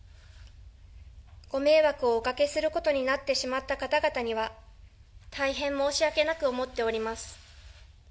ご迷惑をおかけすることになってしまった方々には、大変申し訳なく思っております。